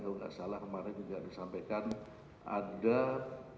kalau enggak salah kemarin juga disampaikan ada pernyataan